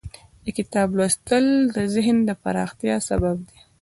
د کتاب لوستل د ذهن د پراختیا سبب دی.